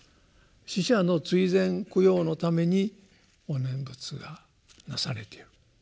死者の追善供養のためにお念仏がなされている。